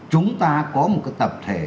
chúng ta có một tập thể